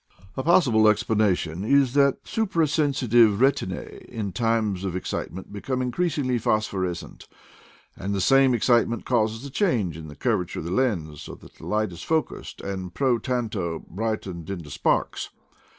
A possible ex planation is that suprasensitive retinae in times of excitement become increasedly phosphorescent, and the same excitement causes a change in the curvature of the lens, so that the light is focused, and pro tanto brightened into sparks.